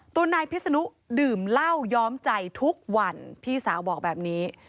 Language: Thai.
ตัวนายพิศนุดื่มเหล้าย้อมใจทุกวันพี่สาวบอกแบบนี้